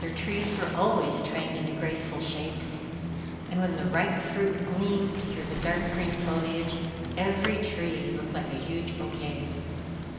Their trees were always trained into graceful shapes, and when the ripe fruit gleamed through the dark green foliage, every tree looked like a huge bouquet.